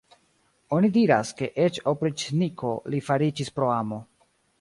Oni diras, ke eĉ opriĉniko li fariĝis pro amo.